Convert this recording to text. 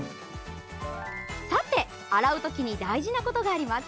さて、洗う時に大事なことがあります。